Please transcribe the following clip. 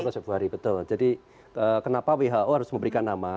dua februari betul jadi kenapa who harus memberikan nama